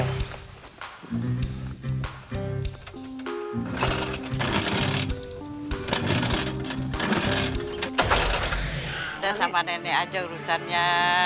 udah sama nenek aja urusannya